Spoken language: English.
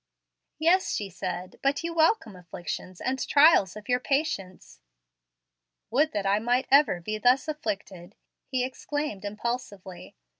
"Yes," said she; "but you welcome afflictions and trials of your patience." "Would that I might be ever thus afflicted!" he exclaimed impulsively.